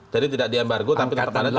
jadi tidak diembargo tapi tetap ada